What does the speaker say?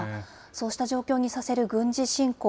そうした状況にさせる軍事侵攻。